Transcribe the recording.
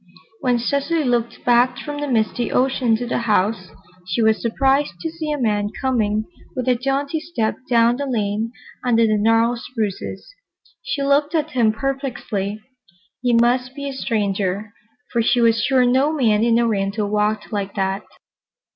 When Cecily looked back from the misty ocean to the house, she was surprised to see a man coming with a jaunty step down the lane under the gnarled spruces. She looked at him perplexedly. He must be a stranger, for she was sure no man in Oriental walked like that.